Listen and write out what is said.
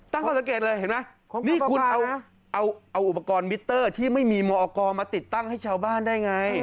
ตั้งข้อสังเกตเลยเห็นไหมนี่คุณเอาอุปกรณ์มิเตอร์ที่ไม่มีมอกรมาติดตั้งให้ชาวบ้านได้ไง